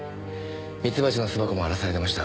蜜蜂の巣箱も荒らされてました。